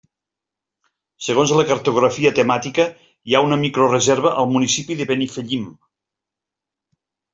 Segons la cartografia temàtica hi ha una microreserva al municipi de Benifallim.